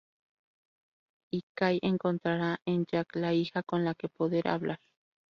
Y Kay encontrará en Jack la hija con la que poder hablar.